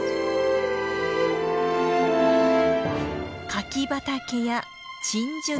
柿畑や鎮守の森。